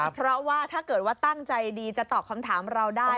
เพราะว่าถ้าเกิดว่าตั้งใจดีจะตอบคำถามเราได้